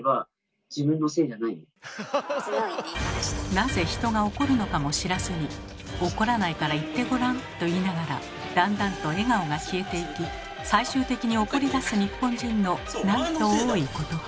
なぜ人が怒るのかも知らずに「怒らないから言ってごらん」と言いながらだんだんと笑顔が消えていき最終的に怒りだす日本人のなんと多いことか。